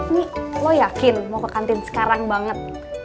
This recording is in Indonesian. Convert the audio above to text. nih lo yakin mau ke kantin sekarang banget